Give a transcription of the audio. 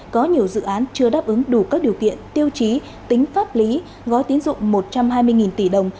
có nhiều dự án chưa đáp ứng đủ các điều kiện tiêu chí tính pháp lý gói tín dụng một trăm hai mươi tỷ đồng